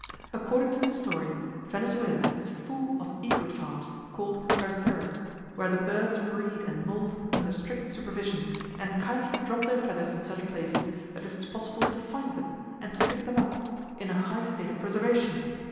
According to the story, Venezuela is full of egret farms, called "garceros,"—where the birds breed and moult under strict supervision, and kindly drop their feathers in such places that it is possible to find them, and to pick [Page 128] them up, in a high state of preservation!